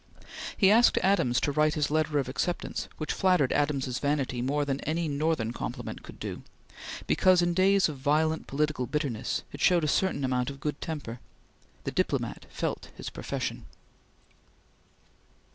He asked Adams to write his letter of acceptance, which flattered Adams's vanity more than any Northern compliment could do, because, in days of violent political bitterness, it showed a certain amount of good temper. The diplomat felt his profession.